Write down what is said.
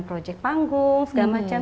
projek panggung segala macam